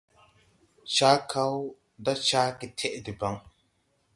Cakaw da ca getɛʼ debaŋ.